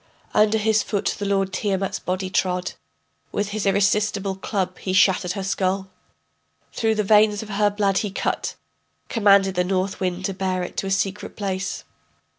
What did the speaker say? Under his foot the lord Tiamat's body trod, With his irresistible club he shattered her skull, Through the veins of her blood he cut; Commanded the north wind to bear it to a secret place.